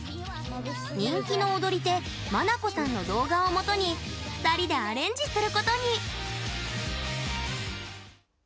人気の踊り手まなこさんの動画をもとに２人でアレンジすることに。